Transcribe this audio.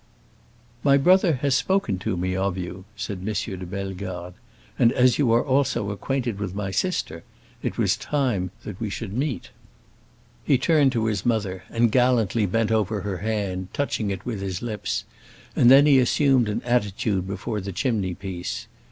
"My brother has spoken to me of you," said M. de Bellegarde; "and as you are also acquainted with my sister, it was time we should meet." He turned to his mother and gallantly bent over her hand, touching it with his lips, and then he assumed an attitude before the chimney piece.